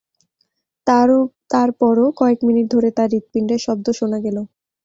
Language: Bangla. তারপরও কয়েক মিনিট ধরে তার হৃৎপিণ্ডের শব্দ শোনা গেল।